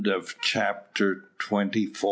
CHAPTER TWENTY FIVE.